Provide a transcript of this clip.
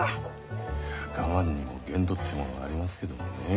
我慢にも限度ってものがありますけどもね。